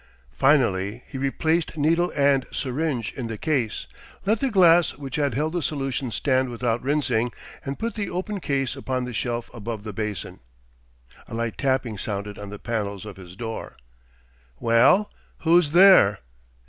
Finally he replaced needle and syringe in the case, let the glass which had held the solution stand without rinsing, and put the open case upon the shelf above the basin. A light tapping sounded on the panels of his door. "Well? Who's there?"